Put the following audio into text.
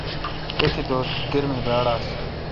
تھتی دوس گرمی باڑ آس۔